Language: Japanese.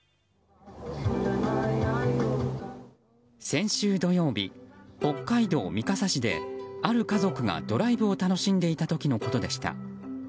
先週土曜日、北海道三笠市である家族がドライブを楽しんでいた時のことでした。